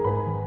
oh siapa ini